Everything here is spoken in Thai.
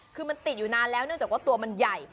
คือมันติดอยู่นานแล้วเนื่องจากว่าตัวมันใหญ่